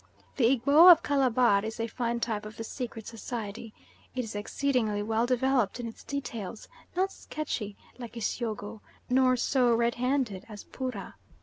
The Egbo of Calabar is a fine type of the secret society. It is exceedingly well developed in its details, not sketchy like Isyogo, nor so red handed as Poorah.